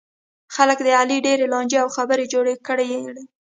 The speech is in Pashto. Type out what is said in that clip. علي د خلکو ډېرې لانجې او خبې جوړې کړلې.